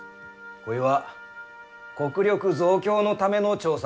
こいは国力増強のための調査ですばい。